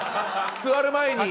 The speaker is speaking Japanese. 座る前に。